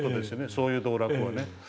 そういう道楽はね。